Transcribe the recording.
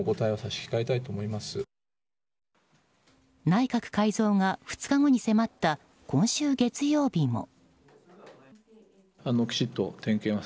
内閣改造が２日後に迫った今週月曜日も。